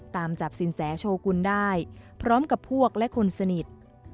ตามจับสินแสโชกุลได้พร้อมกับพวกและคนสนิท